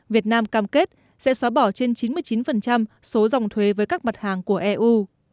việt nam cam kết sẽ xóa bỏ trên chín mươi chín số dòng thuế với các mặt hàng của eu